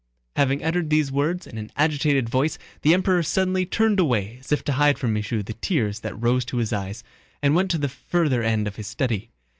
Having uttered these words in an agitated voice the Emperor suddenly turned away as if to hide from Michaud the tears that rose to his eyes, and went to the further end of his study.